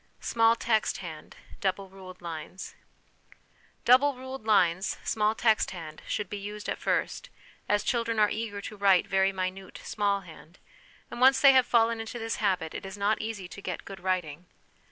Small Text hand Double ruled Lines. Double ruled lines, small text hand, should be used at first, as children are eager to write very minute 'small hand,' and once they have fallen into this habit LESSONS AS INSTRUMENTS OF EDUCATION 239 it is not easy to get good writing.